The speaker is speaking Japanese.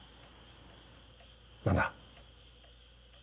何だ？